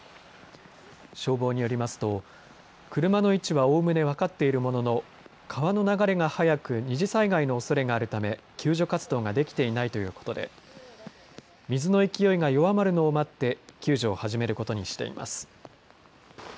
消防によりますと、車の位置はおおむね分かっているものの、川の流れが速く、二次災害のおそれがあるため、救助活動ができていないということで、水の勢いが弱まるのを待って、救助を始めることにしています。